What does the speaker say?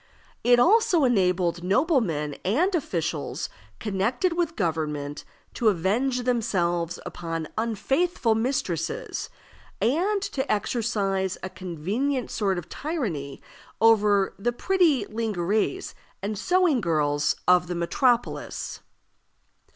It also enabled noblemen and officials connected with government to avenge themselves upon unfaithful mistresses, and to exercise a convenient sort of tyranny over the pretty _ling_ères and sewing girls of the metropolis.